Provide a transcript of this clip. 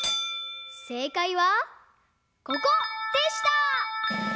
せいかいはここでした！